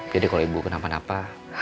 jadi kalau ibu kenapa napa